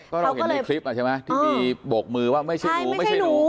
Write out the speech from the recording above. ก็เราเห็นในคลิปใช่ไหมที่มีโบกมือว่าไม่ใช่หนูไม่ใช่หนู